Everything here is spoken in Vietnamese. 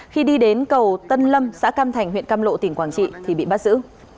khi đi đến cầu tân lâm xã cam thành huyện cam lộ tỉnh quảng trị thì bị bắt giữ